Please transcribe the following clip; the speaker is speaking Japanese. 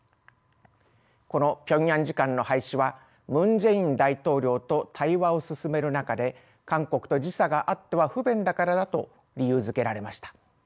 この平壌時間の廃止はムン・ジェイン大統領と対話を進める中で韓国と時差があっては不便だからだと理由づけられました。